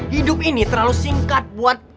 hidup ini terlalu singkat buat